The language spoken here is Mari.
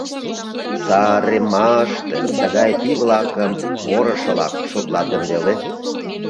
Сааремааште тыгай пий-влакым орышылак шотлат гын веле!